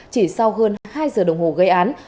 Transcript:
chỉ sau hơn hai giờ đồng hồ gây án